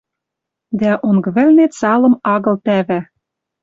Дӓ онг вӹлнет салым агыл тӓвӓ